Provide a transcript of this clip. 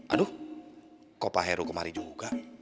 aduh kok pak heru kemari juga